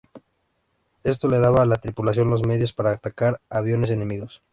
Esto le daba a la tripulación los medios para atacar a aviones enemigos.